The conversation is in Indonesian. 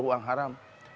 atau uang haram